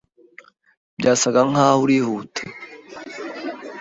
Byasaga nkaho urihuta.